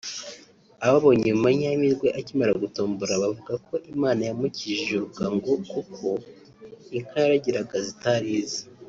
Ababonye uyu munyamahirwe akimara gutombola bavuga ko Imana yamukijije urubwa ngo kuko inka yaragiraga zitari ize